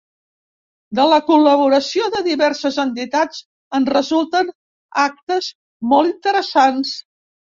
De la col·laboració de diverses entitats en resulten actes molt interessants.